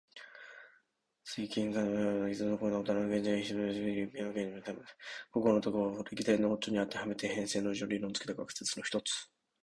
水・火・金・木・土の五つの根元要素が互いに力を減じ合い、水は火に、火は金に、金は木に、木は土に、土は水に勝つという考え方。五行の徳を歴代の王朝にあてはめて変遷の順を理論づけた学説の一つ。